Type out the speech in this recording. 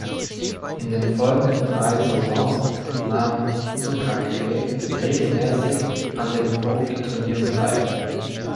In den folgenden drei Saisons nahm Suchakree regelmäßig an den Profiturnieren teil.